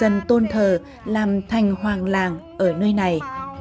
dân tôn thờ làm thành hoàng làng ở nơi này